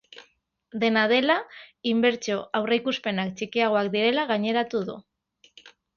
Dena dela, inbertsio aurreikuspenak txikiagoak direla gaineratu du.